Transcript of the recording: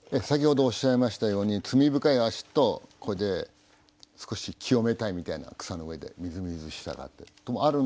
先ほどおっしゃいましたように罪深い足とこれで少し清めたいみたいな草の上でみずみずしさがあって。